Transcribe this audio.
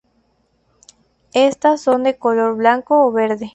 Estas son de color blanco o verde.